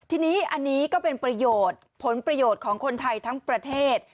ทีนี้อันนี้ก็เป็นประโยชน์ผลประโยชน์ของคนไทยทั้งประเทศ